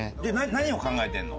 何を考えてるの？